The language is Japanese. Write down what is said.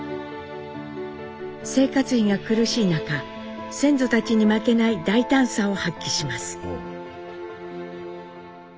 生活費が苦しい中先祖たちに負けない大胆さを発揮します。